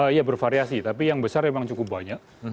iya bervariasi tapi yang besar memang cukup banyak